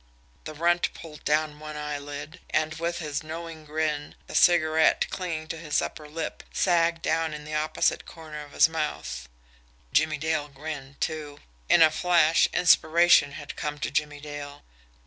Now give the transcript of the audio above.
The Runt pulled down one eyelid, and, with his knowing grin, the cigarette, clinging to his upper lip, sagged down in the opposite corner of his mouth. Jimmie Dale grinned, too in a flash inspiration had come to Jimmie Dale.